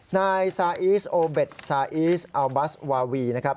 นายซาอีสโอเบ็ดซาอีสอัลบัสวาวีนะครับ